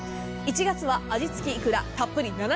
１月は味付いくらたっぷり７００ｇ。